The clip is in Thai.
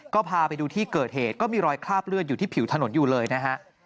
ก็พาไปดูที่เกิดเหตุก็มีรอยคราบเลือดอยู่ที่ผิวถนนอยู่เลยนะฮะ